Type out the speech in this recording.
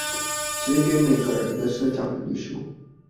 寫給每個人的社交能力書